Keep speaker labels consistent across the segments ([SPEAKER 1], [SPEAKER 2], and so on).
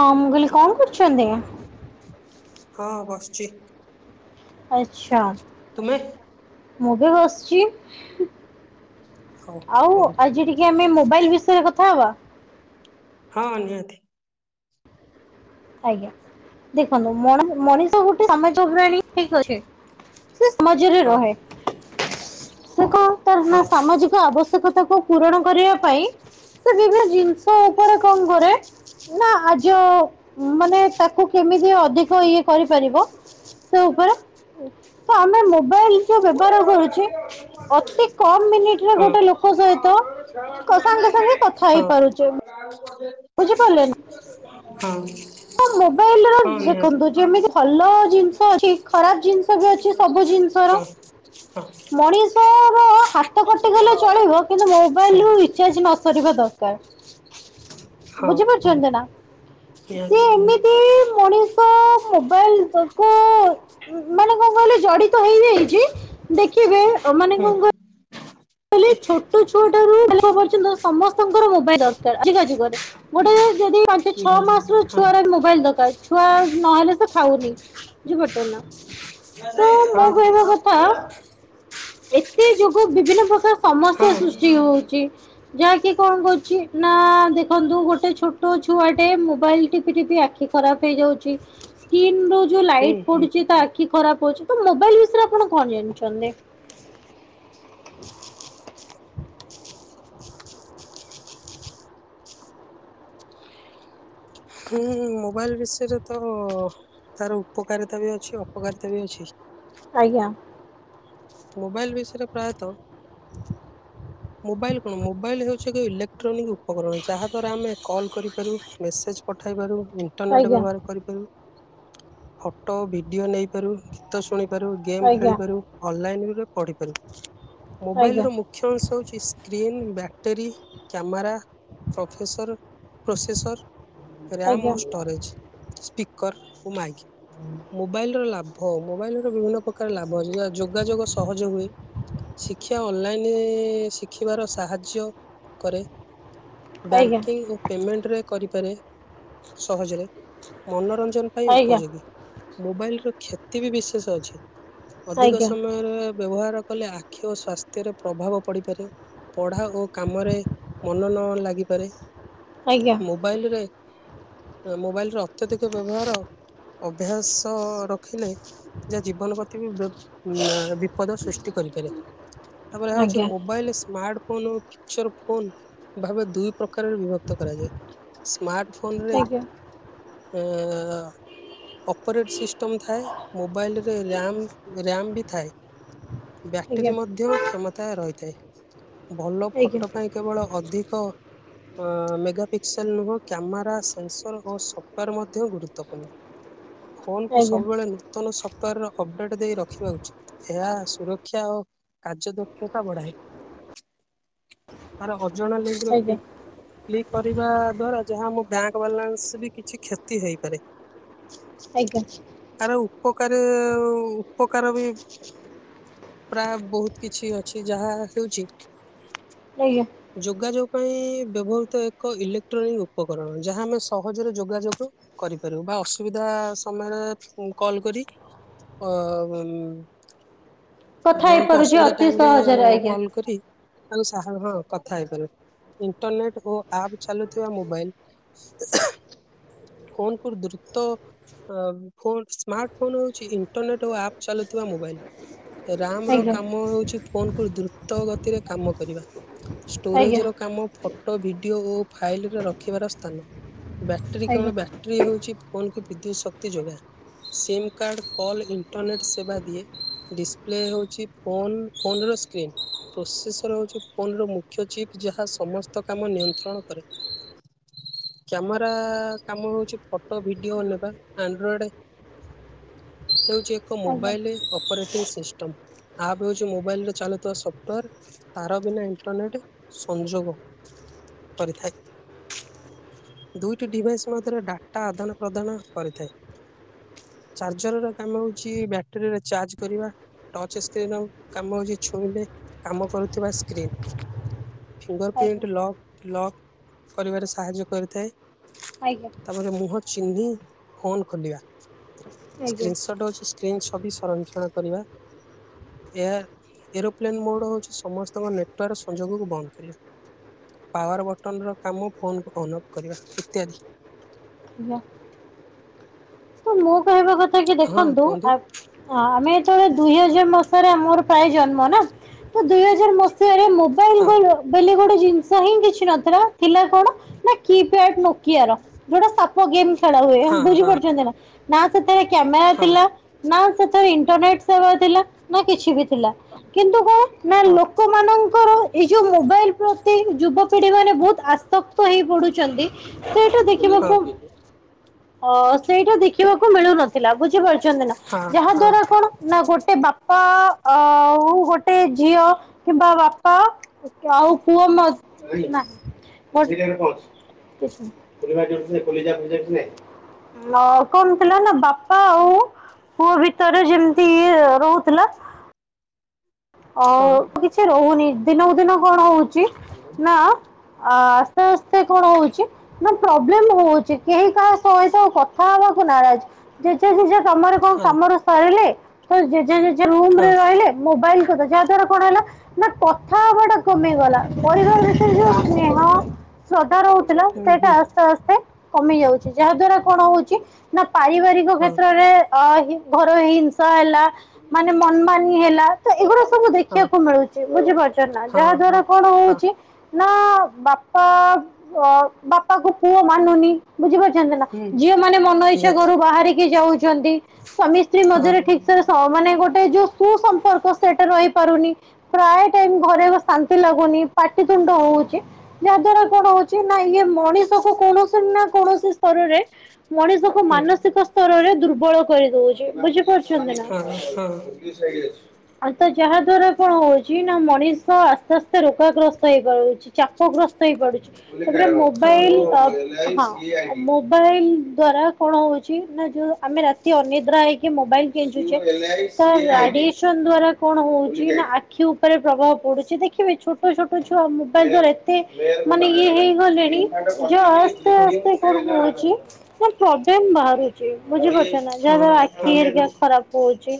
[SPEAKER 1] ହଁ ମୁଁ କହିଲି କଣ କରୁଛନ୍ତି?
[SPEAKER 2] ହଁ ବସିଛି।
[SPEAKER 1] ଆଚ୍ଛା।
[SPEAKER 2] ତୁମେ?
[SPEAKER 1] ମୁଁ ବି ବସିଛି।
[SPEAKER 2] ହଉ
[SPEAKER 1] ଆଉ
[SPEAKER 2] କୁହନ୍ତୁ
[SPEAKER 1] ଆଜି ଆମେ ମୋବାଇଲ ବିଷୟରେ କଥା ହବା।
[SPEAKER 2] ହଁ ନିହାତି।
[SPEAKER 1] ଆଜ୍ଞା ଦେଖନ୍ତୁ ମଣିଷ ଗୋଟେ [unintelligible] ଠିକ ଅଛି। ସେ ସମାଜରେ
[SPEAKER 2] ହଁ
[SPEAKER 1] ରହେ। ସେ କଣ ତାର
[SPEAKER 2] ହଁ।
[SPEAKER 1] ନା
[SPEAKER 2] ହଁ।
[SPEAKER 1] ସାମାଜିକ ଆବଶ୍ୟକତାକୁ ପୂରଣ କରିବା ପାଇଁ ସେ ବିଭିନ୍ନ ଜିନିଷ ଉପରେ କଣ କରେ ନା ଆଯୋ ମାନେ ତାକୁ କେମିତି ଅଧିକ ଇଏ କରିପାରିବ ସେ ଉପରେ ତ ଆମେ ମୋବାଇଲ ଯୋଉ ବ୍ୟବହାର କରୁଛି ଅତି କମ୍ ମିନିଟରେ
[SPEAKER 2] ହଁ।
[SPEAKER 1] ଗୋଟେ ଲୋକ
[SPEAKER 2] ହଁ
[SPEAKER 1] ସହିତ
[SPEAKER 2] ହଁ
[SPEAKER 1] ସାଙ୍ଗେ
[SPEAKER 2] ନିହାତି।
[SPEAKER 1] ସାଙ୍ଗେ କଥା
[SPEAKER 2] ହଁ
[SPEAKER 1] ହେଇପାରୁଛେ। ବୁଝିପାରିଲେ ନା
[SPEAKER 2] ହଁ।
[SPEAKER 1] ତ
[SPEAKER 2] ହଁ
[SPEAKER 1] ମୋବାଇଲ ର ଦେଖନ୍ତୁ ଯେମିତି ଭଲ
[SPEAKER 2] ନିହାତି
[SPEAKER 1] ଜିନିଷ ଅଛି ଖରାପ ଜିନିଷ ବି
[SPEAKER 2] ହଁ।
[SPEAKER 1] ଅଛି ସବୁ ଜିନିଷର
[SPEAKER 2] ହଁ।
[SPEAKER 1] ମଣିଷର ହାତ କଟିଗଲେ ଚଳିବ କିନ୍ତୁ ମୋବାଇଲରୁ ରିଚାର୍ଜ ନ ସରିବା ଦରକାର।
[SPEAKER 2] ହଁ।
[SPEAKER 1] ଚନ୍ଦନା।
[SPEAKER 2] [unintelligible]
[SPEAKER 1] ତ ମୋବାଇଲ [unintelligible] ମାନେ କଣ କହିଲେ ଜଡିତ ହେଇଯାଇଛି। ଦେଖିବେ ମାନେ କଣ କହି ଛୋଟ ଛୁଆଟାରୁ ପର୍ଯ୍ୟନ୍ତ ସମସ୍ତଙ୍କର ମୋବାଇଲ ଦରକାର ଆଜିକା ଯୁଗରେ। ଗୋଟେ ଯଦି ଛଅ
[SPEAKER 2] ହୁଁ
[SPEAKER 1] ମାସର ଛୁଆର ମୋବାଇଲ ଦରକାର ଛୁଆ ନହେଲେ ସେ ଖାଉନି। ବୁଝି ପାରୁଛନ୍ତି ନା। ତ
[SPEAKER 2] ହଁ।
[SPEAKER 1] ମୁଁ କହିବା କଥା ଏତେ ଯୋଗୁ ବିଭିନ୍ନ ପ୍ରକାର ସମସ୍ୟା ସୃଷ୍ଟି ହଉଛି। ଯାହାକି କଣ କରୁଛି ନା ଦେଖନ୍ତୁ ଗୋଟେ ଛୋଟ ଛୁଆଟେ ମୋବାଇଲ୍ ଟିପି ଟିପି ଆଖି ଖରାପ୍ ହେଇଯାଉଛି। ସ୍କିିନ୍ ରୁ ଯୋଉ ଲାଇଟ୍
[SPEAKER 2] ହୁଁ।
[SPEAKER 1] ପଡ଼ୁଚି ତା ଆଖି ଖରାପ୍ ହଉଛି ତ ମୋବାଇଲ୍ ବିଷୟରେ ଆପଣ କଣ ଜାଣିଛନ୍ତି?
[SPEAKER 2] ହୁଁ ମୋବାଇଲ୍ ବିଷୟରେ ତ ତାର ଉପକାରିତା ବି ଅଛି ଅପକାରିତା ବି ଅଛି।
[SPEAKER 1] ଆଜ୍ଞା।
[SPEAKER 2] ମୋବାଇଲ୍ ବିଷୟରେ ପ୍ରାୟତଃ ମୋବାଇଲ୍ କଣ ମୋବାଇଲ୍ ହେଉଛି ଏକ ଇଲେକ୍ଟ୍ରୋନିକ୍ ଉପକରଣ ଯାହା ଦ୍ଵାରା ଆମେ କଲ୍ କରିପାରୁ ମେସେଜ୍ ପଠାଇ ପାରୁ ଇଣ୍ଟରନେଟ୍
[SPEAKER 1] ଆଜ୍ଞା
[SPEAKER 2] ବ୍ୟବହାର କରିପାରୁ ଫଟୋ ଭିଡ଼ିଓ ନେଇପାରୁ ଗୀତ ଶୁଣିପାରୁ ଗେମ୍
[SPEAKER 1] ଆଜ୍ଞା
[SPEAKER 2] ଖେଳିପାରୁ ଅନ୍ ଲାଇନ୍ ରେ ପଢିପାରୁ ମୋବାଇଲ୍
[SPEAKER 1] ଆଜ୍ଞା
[SPEAKER 2] ର ମୁ ଖ୍ୟ ଅଂଶ ହଉଛି screen battery camera professor processor RAM ଓ
[SPEAKER 1] ଆଜ୍ଞା।
[SPEAKER 2] ଷ୍ଟୋରେଜ୍ ସ୍ପିକର ଓ ମାଇକ୍ ମୋବାଇଲ୍ ର ଲା ଭ ମୋବାଇଲ୍ ର ବିଭିନ୍ନ ପ୍ରକାର ଲାଭ ଅଛି ଯ ଯୋଗାଯୋଗ ସହଜ ହୁଏ ଶିକ୍ଷ୍ୟା ଅନ୍ ଲାଇନ୍ ଶିଖିବାର ସାହାଯ୍ୟ କରେ
[SPEAKER 1] ଆଜ୍ଞା
[SPEAKER 2] ବ୍ୟାଙ୍କିଙ୍ଗ୍ ଓ ପେମେଣ୍ଟେରେ କରିପାରେ ସହଜରେ ମନୋରଞ୍ଜନ ପାଇଁ
[SPEAKER 1] ଆଜ୍ଞା
[SPEAKER 2] ଉପଯୋଗୀ। ମୋବାଇଲ୍ ର କ୍ଷତି ବି ବିଶେଷ ଅଛି ଅଧିକ
[SPEAKER 1] ଆଜ୍ଞା
[SPEAKER 2] ସମୟରେ ବ୍ୟବହାର କଲେ ଆଖି ଓ ସ୍ୱାସ୍ଥ୍ୟରେ ପ୍ରଭାବ ପଡିପାରେ। ପଢା ଓ କାମରେ ମନ ନ ଲାଗିପାରେ।
[SPEAKER 1] ଆଜ୍ଞା
[SPEAKER 2] ମୋବାଇଲ୍ ରେ ମୋବାଇଲ୍ ର ଅତ୍ୟଧିକ ବ୍ୟବହାର ଅଭ୍ୟାସ ରଖିଲେ ଯେ ଜୀବନ ପ୍ରତି ବି [inaudible] ଆଁ ବିପଦ ସୃଷ୍ଟି କରିପାରେ ତାପରେ ଏହାଉଛି
[SPEAKER 1] ଆଜ୍ଞା
[SPEAKER 2] ମୋବାଇଲ୍ ସ୍ମାର୍ଟ ଫୋନ୍ ଓ ଫିକ୍ ଚର ଫୋନ୍ ଭାବେ ଦୁଇ ପ୍ରକାରରେ ବିଭକ୍ତ କରାଯାଏ। ସ୍ମାର୍ଟ ଫୋନ୍ ରେ
[SPEAKER 1] ଆଜ୍ଞା
[SPEAKER 2] ଅପରେଟ୍ ସିଷ୍ଟମ୍ ଥାଏ ମୋବାଇଲ୍ ରେ ରାମ୍ ର୍ୟାମ୍ ବି ଥାଏ।
[SPEAKER 1] ଆଜ୍ଞା
[SPEAKER 2] ବ୍ୟାଟେରୀ ମଧ୍ୟ କ୍ଷମତା ରହିଥାଏ ଭଲ
[SPEAKER 1] ଆଜ୍ଞା
[SPEAKER 2] ଫଟୋ ପାଇଁ କେବଳ ଅଧିକ ହଁ ମେଘାପିକ୍ସେଲ୍ ନୁହଁ କ୍ୟାମେରା ସେନ୍ସର ଓ ସଫ୍ଟୱୋର ମଧ୍ୟ ଗୁରୁତ୍ୱପୂର୍ଣ୍ଣ ଫୋନ୍ କୁ
[SPEAKER 1] ଆଜ୍ଞା
[SPEAKER 2] ସବୁବେଳେ ନି ନୂତନ ସଫ୍ଟୱୋର ଅପଡେଟ୍ ଦେଇ ରଖିବା ଉଚିତ୍ ଏହା ସୁରକ୍ଷା ଓ କାର୍ଯ୍ୟ ଦକ୍ଷତା ବଢାଏ। [inaudible] କ୍ଲିକ୍ କରିବା ଦ୍ୱାରା ଯାହା ମୋ ବ୍ୟାଙ୍କ୍ ବାଲାନ୍ସ ବି କିଛି କ୍ଷତି ହେଇପାରେ।
[SPEAKER 1] ଆଜ୍ଞା।
[SPEAKER 2] ଆର ଉପକାରୀ ଉପକାର ବି ପ୍ରାୟ ବହୁତ୍ କିଛି ଅଛି ଯାହା ହେଉଛି
[SPEAKER 1] ଆଜ୍ଞା।
[SPEAKER 2] ଯୋଗାଯୋଗ ପାଇଁ ବ୍ୟବହୃତ ଏକ ଇଲେକ୍ଟ୍ରୋନିକ୍ ଉ ଉପକରଣ ଯାହା ଆମେ ସହଜରେ ଯୋଗାଯୋଗ କରିପାରିବୁ ବା ଅସୁବିଧା ସମୟରେ କଲ୍ କରି ଅ
[SPEAKER 1] କଥା
[SPEAKER 2] ଜଣକୁ
[SPEAKER 1] ହେଇପାରୁଛି
[SPEAKER 2] ଅସୁବିଧା
[SPEAKER 1] ଅତି
[SPEAKER 2] ଟାଇମ୍ ରେ
[SPEAKER 1] ସହଜରେ ଆଜ୍ଞା
[SPEAKER 2] କଲ୍ କରି [inaudible] ହଁ କଥା ହେଇପାରୁ ଇଣ୍ଟରନେଟ୍ ଓ ଆପ୍ ଚାଲୁଥିବା ମୋବାଇଲ୍ ଫୋନ୍ କରି ଦୃତ ଅ ଫୋନ୍ ସ୍ମାର୍ଟ ଫୋନ୍ ହେଉଛି ଇଣ୍ଟରନେଟ୍ ଓ ଆପ୍ ଚାଲୁଥିବା ମୋବାଇଲ। ରାମ ର
[SPEAKER 1] ଆଜ୍ଞା
[SPEAKER 2] କାମ ହଉଛି ଫୋନ କୁ ଦ୍ରୁତ ଗତିରେ କାମ କରିବା।
[SPEAKER 1] ଆଜ୍ଞା ଆଜ୍ଞା
[SPEAKER 2] ଷ୍ଟୋରେଜର କାମ ଫଟୋ ଭିଡ଼ିଓ ଓ ଫାଇଲିରେ ରଖିବାର ସ୍ଥାନ ବ୍ୟାଟେରୀ
[SPEAKER 1] ଆଜ୍ଞା
[SPEAKER 2] କଣ? ବ୍ୟାଟେରୀ ହେଉଛି ଫୋ କି ବିଦ୍ୟୁତ୍ ଶକ୍ତି ଯୋଗାଏ। ସିମ୍ କାର୍ଡ କଲ୍ ଇଣ୍ଟରନେଟ୍ ସେବା ଦିଏ ଡିସପ୍ଲେ ହଉଛି ଫୋନ୍ ଫୋନ ର ସ୍କ୍ରିନ ପ୍ରୋସେସର ହଉଛି ଫୋନ ର ମୁଖ୍ୟ ଚିପ୍ ଯାହା ସମସ୍ତ କାମ ନିୟନ୍ତ୍ରଣ କରେ। କ୍ୟାମେରା କାମ ହଉଛି ଫଟୋ ଭିଡିଓ ନେବା ଆଣ୍ଡ୍ରଏଡ ହେଉଛି ଏକ
[SPEAKER 1] ଆଜ୍ଞା
[SPEAKER 2] ମୋବାଇଲ। ଅପରେଟିଂ ସିଷ୍ଟମ ଆପ୍ପ ହଉଛି ମୋବାଇଲ ରେ ଚାଲୁଥିବା ସଫ୍ଟୱେର। ତାର ବିନା ଇଣ୍ଟରନେଟ୍ ସଂଯୋଗ କରିଥାଏ। ଦୁଇଟି ଡିଭାଇସ ମଧ୍ୟରେ ଡାଟା ଆଦାନ ପ୍ରଦାନ କରିଥାଏ। ଚାର୍ଜରର କାମ ହଉଚି ବ୍ୟାଟେରୀରେ ଚାର୍ଜ କରିବା। ଟଚ ସ୍କ୍ରିନର କାମ ହଉଛି ଛୁଇଁଲେ କାମ କରୁଥିବା screen. Fingerprint lock lock କରିବାରେ ସାହାଯ୍ୟ କରିଥାଏ।
[SPEAKER 1] ଆଜ୍ଞା।
[SPEAKER 2] ତାପରେ ମୁହଁ ଚିହ୍ନି ଫୋନ ଖୋଲିବା
[SPEAKER 1] ଆଜ୍ଞା
[SPEAKER 2] ସ୍କ୍ରିନସଟ୍ ଅଛି ସ୍କ୍ରିନ ଛବି ସଂରକ୍ଷଣ କରିବା। ଏହା ଏରୋପ୍ଲେନ୍ ମୋଡ଼ ହେଉଛି ସମସ୍ତଙ୍କ ନେଟୱାର୍କ ସଂଯୋଗକୁ ବନ୍ଦ କରିବା। ପାୱାର ବଟନ ର କାମ ଫୋନ କୁ ଅନ ଅଫ କରିବା ଇତ୍ୟାଦି
[SPEAKER 1] ଆଜ୍ଞା। ମୋ କହିବା କଥା କି
[SPEAKER 2] ହଁ
[SPEAKER 1] ଦେଖନ୍ତୁ
[SPEAKER 2] କୁହନ୍ତୁ
[SPEAKER 1] ଆ ହ ଆମେ ଯେତେବେଳେ ଦୁଇ ହଜାର ମସିହାରେ ଆମର ପ୍ରାୟ ଜନ୍ମ ନା। ତ ଦୁଇ ହଜାର ମସିହରେ
[SPEAKER 2] ହଁ
[SPEAKER 1] ମୋବାଇଲ ବ ଗୋଟେ ଜିନିଷ ହିଁ କିଛି ନଥିଲା। ଥିଲା କଣ ନା କିପ୍ୟାଡ ନୋକିଆର। ଯୋଉଟା ସାପ ଗେମ ଖେଳ ହୁଏ
[SPEAKER 2] ହଁ
[SPEAKER 1] ବୁଝି
[SPEAKER 2] ହଁ
[SPEAKER 1] ପାରୁଛନ୍ତି ନା ନା ସେଥି କ୍ୟାମେରା
[SPEAKER 2] ହଁ
[SPEAKER 1] ଥିଲା। ନା ସେଥିର ଇଣ୍ଟରନେଟ ସେବା ଥିଲା ନା କିଛି ବି ଥିଲା। କିନ୍ତୁ କଣ ନା
[SPEAKER 2] ହଁ
[SPEAKER 1] ଲୋକମାନଙ୍କର। ଏଇ ଯୋଉ ମୋବାଇଲ ପ୍ରତି ଯୁବପିଢି ମାନେ ବହୁତ ଆସ୍ତ। ହେଇ ପଡୁଛନ୍ତି ସେଇଟା
[SPEAKER 2] ହଁ
[SPEAKER 1] ଦେଖିବାକୁ ଅ ସେଇଟା ଦେଖ ମିଳୁ ନଥିଲା ବୁଝିପାରୁଛନ୍ତି ନା
[SPEAKER 2] ହଁ
[SPEAKER 1] ଯାହା
[SPEAKER 2] ହଁ
[SPEAKER 1] ଦ୍ଵାରା କଣ। ନା ଗୋଟେ ବାପା ଅ ଗୋଟେ ଝିଅ କିମ୍ବା ବାପା ଆଉ ପୁଅ [unintelligible] କଣ ଥିଲା ନା ବାପା ଆଉ ପୁଅ ଭିତରେ ଯେମିତି ଇଏ ରହୁଥିଲା। ଆଉ
[SPEAKER 2] ହଁ
[SPEAKER 1] କିଛି ରହୁନି ଦିନକୁ ଦିନ କଣ ହଉଛି ନା ଆ ଆସ୍ତେ ଆସ୍ତେ କଣ ହଉଛି ନା ପ୍ରୋବ୍ଲେମ ହଉଛି କେହି କାହା ସହିତ କଥା ହବାକୁ ନାରଜ ନିଜ ନିଜ କାମରେ କଣ
[SPEAKER 2] ହଁ
[SPEAKER 1] କାମରେ ସରିଲେ ତ ଜେଜେ ଜେଜେ ରୁମ କୁ।
[SPEAKER 2] ହଁ।
[SPEAKER 1] ମୋବାଇଲ କଥା ଯାହା ଦ୍ଵାରା କଣ ହେଲା ନା କଥା ହବା ଟା କମିଗଲା ପରିବାର ଯୋଉେ
[SPEAKER 2] ହୁଁ
[SPEAKER 1] ସ୍ନେହ ଶ୍ରଦ୍ଧା ରହୁଥିଲା
[SPEAKER 2] ହୁଁ
[SPEAKER 1] ସେଇଟା
[SPEAKER 2] ହୁଁ
[SPEAKER 1] ଆସ୍ତେ ଆସ୍ତେ। କମି ଯାଉଛି ଯାହା ଦ୍ଵାରା କଣ ହଉଛି ନା ପାରିବାରିକ
[SPEAKER 2] ହଁ
[SPEAKER 1] କ୍ଷେତ୍ରରେ ଅ ଘରେଇ ହିଂସା ହେଲା ମାନେ ମନ ମାନି ହେଲା। ତ ଏଇଗୁଡା ସବୁ
[SPEAKER 2] ହଁ
[SPEAKER 1] ଦେଖିବାକୁ ମିଳୁଛି ବୁଝିପାରୁଛନ୍ତି ନା
[SPEAKER 2] ହଁ
[SPEAKER 1] ଯାହା
[SPEAKER 2] ହଁ
[SPEAKER 1] ଦ୍ଵାରା କଣ
[SPEAKER 2] ହଁ
[SPEAKER 1] ହଉଛି ନା ବାପା ବାପାକୁ ପୁଅ ମାନୁନି ବୁଝିପାରୁଛନ୍ତି ନା?
[SPEAKER 2] ହୁଁ
[SPEAKER 1] ଝିଅ ମାନେ ମନ ଇଚ୍ଛା
[SPEAKER 2] ନିହାତି
[SPEAKER 1] ଘରୁ ବାହାରିକି ଯାଉଛନ୍ତି। ସ୍ୱାମୀ ସ୍ତ୍ରୀ
[SPEAKER 2] ହଁ
[SPEAKER 1] ମଧ୍ୟରେ ଠିକ୍ ସେ ସ ମାନେ ଗୋଟେ ଯୋଉ ସୁସମ୍ପ ର୍କ ସେଟା ରହିପାରୁନି। ପ୍ରାୟ ଟାଇମ୍ ଘରେ ଶାନ୍ତି ଲାଗୁନି ପାଟିିତୁଣ୍ଡ ହଉ ଚି। ଯାହା ଦ୍ୱାରା କଣ ହଉଚି ନା ଇଏ ମଣିଷ କୁ କୌଣସି ନା କୌଣସି ସ୍ତରରେ ମଣିଷ କୁ
[SPEAKER 2] ହୁଁ
[SPEAKER 1] ମାନସିକ ସ୍ତରରେ ଦୁର୍ବଳ କରି ଦଉଚି। ବୁଝିପାରୁଛନ୍ତି ନା?
[SPEAKER 2] ହଁ ହଁ
[SPEAKER 1] ଆ ତ ଯାହା ଦ୍ଵାରା କଣ ହଉଚି ନା ମଣିଷ ଆସ୍ତେ ଆସ୍ତେ ରୋଗାଗ୍ରସ୍ତ ହେଇପଡୁଚି। ଚାପଗ୍ରସ୍ତ ହେଇ ପଡୁଚି। ସେଥିରେ ମୋବାଇଲ୍ ହଁ। ମୋବାଇଲ୍ ଦ୍ଵାରା କଣ ହଉଚି ନା ଯୋଉ ଆମେ ରାତି ଅନିଦ୍ରା ହେଇ କିଏ ମୋବାଇଲ୍ ଗେଞ୍ଜୁଚି, ତା
[SPEAKER 2] ହଁ
[SPEAKER 1] ରାଡିଏସନ ଦ୍ୱାରା କଣ ହଉଚି ନା ଆଖି ଉପରେ ପ୍ରଭାବ ପଡୁଚି। ଦେଖିବେ ଛୋଟ ଛୋଟ ଛୁଆ ମୋବାଇକ୍ [unintelligible] ଏତେ ମାନେ ଇଏ ହେଇଗଲେଣି ଯଉ ଆସ୍ତେ
[SPEAKER 2] ହଁ
[SPEAKER 1] ଆସ୍ତେ କଣ ହଉଚି ପ୍ରୋବ୍ଲେମ୍ ବାହାରୁ ବୁଝିପାରୁଛନ୍ତି ନା? ଯାହା
[SPEAKER 2] ହଁ
[SPEAKER 1] ଦ୍ୱାରା ଆଖି
[SPEAKER 2] ହଁ
[SPEAKER 1] ହେରିକା ଖରାପ ହଉଚି।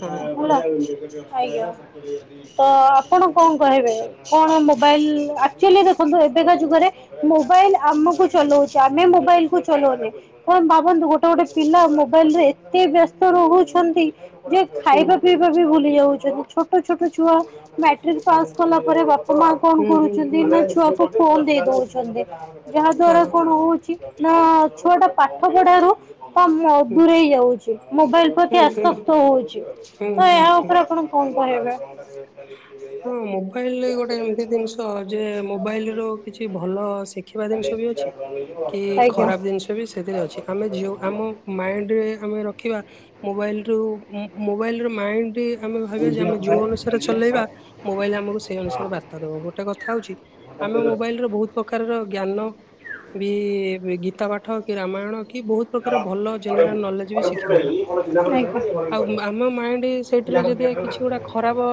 [SPEAKER 2] ହଁ
[SPEAKER 1] [unintelligible] ତ ଆପଣ କଣ କହିବେ? କଣ ମୋବାଇଲ ଆକ୍ଚୁଆଲି ଦେଖନ୍ତୁ ଏବେକା ଯୁଗରେ ମୋ ମୋବାଇଲ୍ ଆମକୁ ଚଲଉଚି ଆମେ ମୋବାଇଲ୍ କୁ ଚଲଉନେ। କଣ ଭାବନ୍ତୁ ଗୋ ଗୋଟେ ଗୋଟେ ପିଲା ମୋବାଇଲ୍ ରେ ଏତେ ବ୍ୟସ୍ତ ରହୁଛନ୍ତି ଯେ
[SPEAKER 2] ହୁଁ
[SPEAKER 1] ଖାଇବା ପିଇବା ବି ଭୁଲ ଭୁଲି ଯାଉଛନ୍ତି। ଛୋଟ ଛୋଟ ଛୁଆ ମ୍ୟାଟ୍ରିକ ପାସ୍ କଲା ପରେ ବା ମା କଣ
[SPEAKER 2] ହୁଁ ହୁଁ
[SPEAKER 1] କରୁଛନ୍ତି
[SPEAKER 2] ହୁଁ
[SPEAKER 1] ନା
[SPEAKER 2] ହୁଁ
[SPEAKER 1] ଛୁଆକୁ ଫୋନ୍ ଦେଇ ଦଉଛନ୍ତି। ଯାହା ଦ୍ଵାରା
[SPEAKER 2] ହଁ
[SPEAKER 1] କଣ ହଉଚି ନା ଛୁଆଟା ପାଠ ପଢାରୁ
[SPEAKER 2] ହୁଁ
[SPEAKER 1] ଦୂରେଇ ଯାଉଚି। ମୋବାଇଲ ପ୍ରତି
[SPEAKER 2] ହୁଁ ହୁଁ ହୁଁ
[SPEAKER 1] ଆସକ୍ତ ହଉଚି।
[SPEAKER 2] ହୁଁ
[SPEAKER 1] ତ ଏହା
[SPEAKER 2] ହୁଁ
[SPEAKER 1] ଉପରେ ଆପଣ କଣ କହିବେ?
[SPEAKER 2] ତ ଯେ ମୋବାଇଲ୍ ରୁ କିଛି ଭଲ ଶିଖିବା ଜିନିଷ ବି ଅଛି। କି
[SPEAKER 1] ଆଜ୍ଞା। ଆଜ୍ଞା
[SPEAKER 2] ଖରାପ ଜିନିଷ ସେଥିରେ ଅଛି। ଆମେ ଯଉ ଆମ ମାଇଣ୍ଡରେ ଆମେ ରଖିବା, ମୋବାଇଲ ରୁ ମୋବାଇଲ ରୁ ମାଇଣ୍ଡ ଆମେ ଭାବିବା ଯେ ଆମେ ଯୋଉ ଅନୁସାରେ ଚଲେଇବା ମୋବାଇଲ ଆମକୁ ସେଇ ଅନୁସାରେ ବାର୍ତ୍ତା ଦେବ। ଗୋଟେ କଥା ହଉଚି ଆମେ ମୋବାଇଲ ର ବହୁତ୍ ପ୍ରକାରର ଜ୍ଞାନ ବି ଗୀତା ପାଠ କି ରାମାୟଣ କି ବହୁତ୍ ପ୍ରକାର ଭଲ ଜେନେରାଲ୍ ନଲେଜ୍ ବି ଶିଖି ପାରିବା। ଆଉ
[SPEAKER 1] ଆଜ୍ଞା।
[SPEAKER 2] ଆମ ମାଇଣ୍ଡ ସେଇଥିରୁ କିଛି ଗୋଟେ ଖରାପ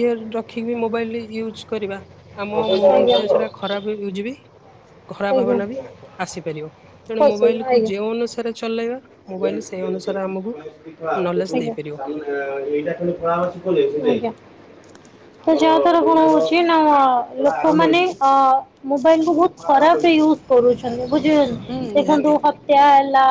[SPEAKER 2] ଇଏ ରଖିକି ବି ମୋବାଇଲ୍ ୟୁଜ୍ କରିବା ଆମ ମୁଣ୍ଡ [unintelligible] ସେଟା ଖରାପ ହେଇଯାଉଚି ବି। ଖରାପ୍ ଭାବନା ବି ଆସିପାରିବ। ତେଣୁ ମୋବାଇଲ୍ କୁ ଯେଉଁ ଅନୁସାରେ ଚଲେଇବା ମୋବାଇଲ ସେଇ ଅନୁସାରେ ଆମକୁ
[SPEAKER 1] ଆଜ୍ଞା।
[SPEAKER 2] ନଲେଜ ଦେଇପାରିବ।
[SPEAKER 1] ଆଜ୍ଞା। ତ ଯାହା [unintelligible]
[SPEAKER 2] ହଁ
[SPEAKER 1] ଲୋକ ମାନେ ଅ ମୋବାଇଲ କୁ ବହୁତ୍ ଖରାପ ୟୁଜ୍ କରୁଛନ୍ତି। ବୁଝି
[SPEAKER 2] ହୁଁ
[SPEAKER 1] [unintelligible] ଦେଖନ୍ତୁ
[SPEAKER 2] ନିହାତି
[SPEAKER 1] ହତ୍ୟା ହେଲା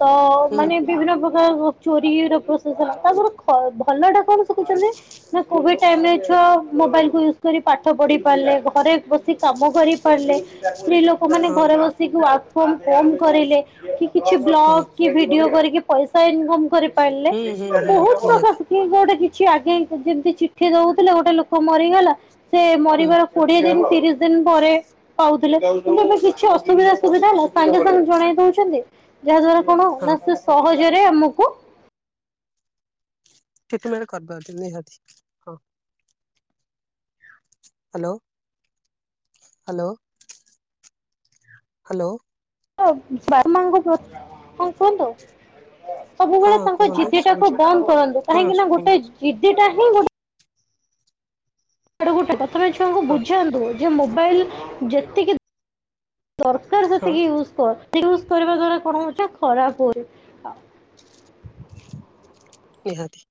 [SPEAKER 1] ତ
[SPEAKER 2] ହୁଁ
[SPEAKER 1] ମାନେ ବିଭିନ୍ନ ପ୍ରକାର ଚୋରିର ପ୍ରସେସର ତାଙ୍କର ଖ ଭଲ ଟା କଣ ଶିଖୁଛନ୍ତି। ନା କୋଭିଡ୍ ଟାଇମ୍ ରେ ଛୁଆ ମୋବାଇଲ୍ କୁ ୟୁଜ୍ କରି ପାଠ ପଢିପାରିଲେ ଘରେ କିଛି କାମ କରିପାରିଲେ ସ୍ତ୍ରୀ ଲୋକମାନୋ
[SPEAKER 2] ହଁ
[SPEAKER 1] ଘରେ ବସିକି ୱାର୍କ ଫ୍ରମ ହୋମ କରିଲେ। କି କିଛି
[SPEAKER 2] ହଁ
[SPEAKER 1] ବ୍ଲଗ କି ଭି ଭିଡିଓ କରିକି ପଇସା ଇନକମ୍ କରିପାରିଲେ।
[SPEAKER 2] ହୁଁ ହୁଁ ହୁଁ
[SPEAKER 1] ବହୁତ୍
[SPEAKER 2] ନିହାତି
[SPEAKER 1] [unintelligible] [unintelligible] ଗୋଟେ କିଛି ଆଗେ ଯେମତି ଚିଠି ଦଉଥିଲେ ଗୋଟେ ଲୋକ ମରିଗଲା ସେ
[SPEAKER 2] ହୁଁ
[SPEAKER 1] ମରିବାର କୋଡ଼ିଏ ଦିନ ତିରିଶ ଦିନ ପରେ- ପାଉଥିଲେ କିନ୍ତୁ ଏବେ କିଛି ଅସୁବିଧା ସୁବିଧା ନା ସାଙ୍ଗେ ସାଙ୍ଗେ ଜଣେଇ ଦଉଛନ୍ତି। ଯାହା ଦ୍ଵାରା କଣ
[SPEAKER 2] ହଁ
[SPEAKER 1] ନା ସେ ସହଜରେ ଆମକୁ
[SPEAKER 2] କେତେବେଳ କରିନ୍ତି ନିହାତି। Hello hello hello.
[SPEAKER 1] ବାପା ମାଙ୍କ କଣ କୁହନ୍ତୁ?
[SPEAKER 2] ହଁ
[SPEAKER 1] ସବୁବେଳେ ତାଙ୍କ
[SPEAKER 2] କୁହନ୍ତୁ
[SPEAKER 1] ଜିଦି ଟାକୁ
[SPEAKER 2] ଶୁଭୁଛି
[SPEAKER 1] ବନ୍ଦ କରନ୍ତୁ
[SPEAKER 2] ହଁ
[SPEAKER 1] କାହିଁକି ନା ଗୋଟେ
[SPEAKER 2] ଶୁଭୁଛି
[SPEAKER 1] ଜିଦି ଟା ହିଁ ଗୋଟେ ଆଡେ ଗୋଟେ ପ୍ରଥମେ ଛୁଆଙ୍କୁ
[SPEAKER 2] ହଁ
[SPEAKER 1] ବୁଝାନ୍ତୁ ଯେ ମୋବାଇଲ ଯେତିକି ଦରକାର
[SPEAKER 2] ହଁ
[SPEAKER 1] ସେତିକି ୟୁଜ କର ୟୁଜ କରିବା ଦ୍ଵାରା କଣ ହଉଛ ଖରାପ ହୁଏ।
[SPEAKER 2] ନିହାତି।